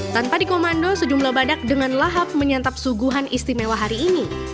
tanpa dikomando sejumlah badak dengan lahap menyantap suguhan istimewa hari ini